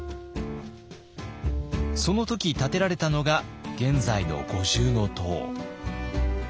その時建てられたのが現在の五重塔。